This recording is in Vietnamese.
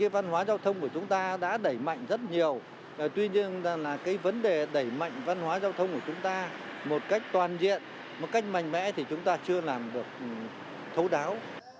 văn hóa giao thông của chúng ta đã đẩy mạnh rất nhiều tuy nhiên vấn đề đẩy mạnh văn hóa giao thông của chúng ta một cách toàn diện một cách mạnh mẽ thì chúng ta chưa làm được thấu đáo